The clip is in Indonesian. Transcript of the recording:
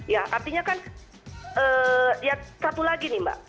ya artinya kan ya satu lagi nih mbak